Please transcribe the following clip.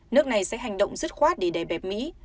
nước này sẽ hành động dứt khoát để đè bẹp mỹ